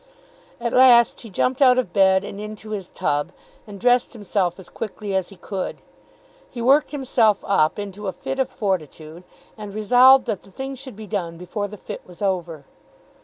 At last he jumped out of bed and into his tub, and dressed himself as quickly as he could. He worked himself up into a fit of fortitude, and resolved that the thing should be done before the fit was over.